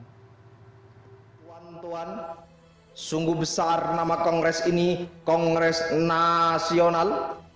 tuan tuan sungguh besar nama kongres ini kongres nasional